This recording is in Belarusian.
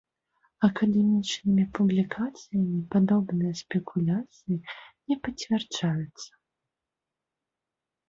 Акадэмічнымі публікацыямі падобныя спекуляцыі не пацвярджаюцца.